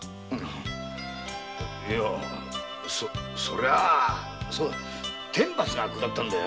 いやぁそりゃあ天罰が下ったんだよ。